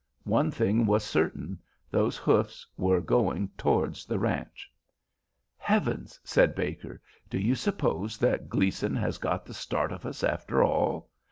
One thing was certain: those hoofs were going towards the ranch. "Heavens!" said Baker. "Do you suppose that Gleason has got the start of us after all?